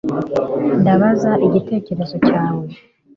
Ndabaza igitekerezo cyawe